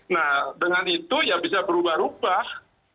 nah dengan itu ya bisa berubah ubah